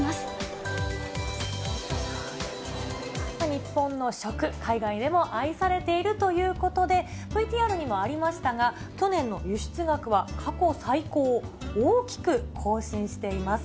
日本の食、海外でも愛されているということで、ＶＴＲにもありましたが、去年の輸出額は過去最高を大きく更新しています。